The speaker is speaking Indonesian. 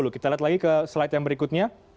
kita lihat lagi ke slide yang berikutnya